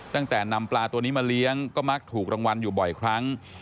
ตั้งแต่นำปลาตัวนี้มาเลี้ยงก็มักถูกรางวัลอยู่บ่อยครั้ง